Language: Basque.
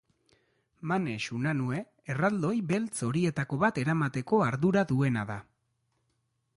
Manex Unanue erraldoi beltz horietako bat eramateko ardura duena da.